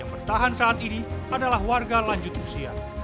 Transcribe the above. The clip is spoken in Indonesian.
yang bertahan saat ini adalah warga lanjut usia